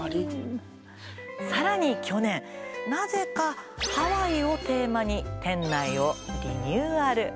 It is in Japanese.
更に去年なぜかハワイをテーマに店内をリニューアル。